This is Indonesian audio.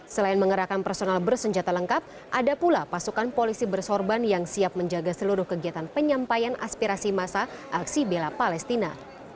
selain mengerahkan personal bersenjata lengkap ada pula pasukan polisi bersorban yang siap menjaga seluruh kegiatan penyampaian aspirasi masa aksi bela palestina